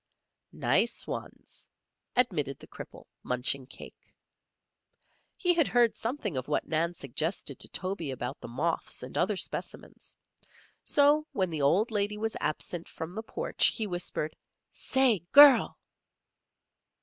"Nice ones," admitted the cripple, munching cake. He had heard something of what Nan suggested to Toby about the moths and other specimens. So when the old lady was absent from the porch he whispered: "Say, girl!"